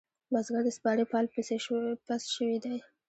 بزگر د سپارې پال پس شوی دی.